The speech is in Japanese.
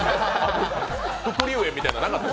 副流煙みたいなのなかった。